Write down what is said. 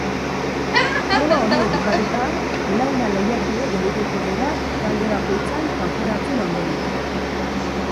Proba horiek bukatuta, launa lehiakide geldituko dira talde bakoitzean kanporatzeen ondorioz.